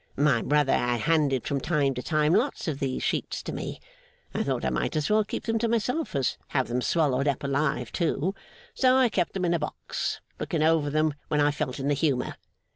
My brother had handed, from time to time, lots of these sheets to me. I thought I might as well keep them to myself as have them swallowed up alive too; so I kept them in a box, looking over them when I felt in the humour.